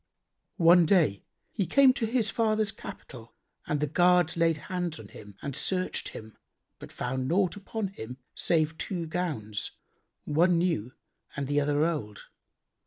One day, he came to his father's capital and the guards laid hands on him and searched him but found naught upon him save two gowns, one new and the other old.